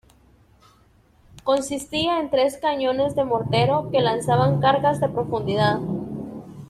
Consistía en tres cañones de mortero que lanzaban cargas de profundidad.